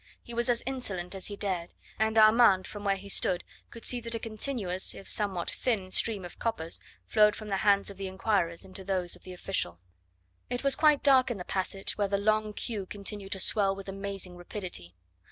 He was as insolent as he dared, and Armand from where he stood could see that a continuous if somewhat thin stream of coppers flowed from the hands of the inquirers into those of the official. It was quite dark in the passage where the long queue continued to swell with amazing rapidity.